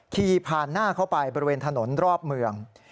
ขี่ผ่านหน้าเข้าไปบริเวณถนนรอบเมือง